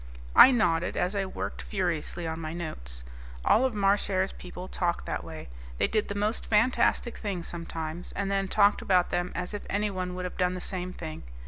I nodded as I worked furiously on my notes. All of Marchare's people talked that way. They did the most fantastic things sometimes, and then talked about them as if anyone would have done the same thing.